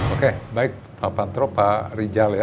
oke baik pak pantro pak rijal ya